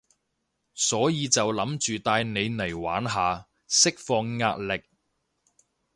所以就諗住帶你嚟玩下，釋放壓力